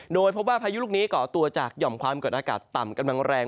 โดยพบว่าพายุลูกนี้ก่อตัวจากหย่อมความกดอากาศต่ำกำลังแรง